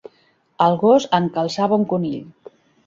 El gos encalçava un conill.